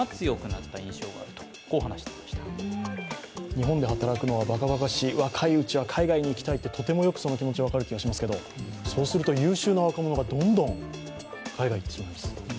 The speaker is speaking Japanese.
日本で働くのはバカバカしい、若いうちは海外に行きたい、とてもその気持ちはよく分かる気がしますが、そうすると優秀な若者がどんどん海外に行きます。